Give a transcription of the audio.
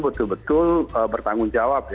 betul betul bertanggung jawab